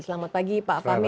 selamat pagi pak fahmi